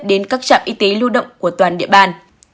đến các trạm y tế lưu động của toàn địa bàn